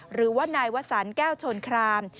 หรือว่านายวสันแก้วชนคราม